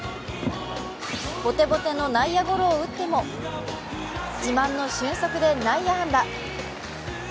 ボテボテの内野ゴロを打っても自慢の俊足で内野安打。